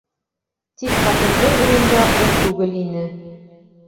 Тик ҡатындың уйында ул түгел ине.